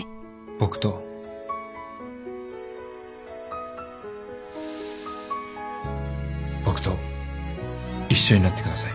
僕と一緒になってください。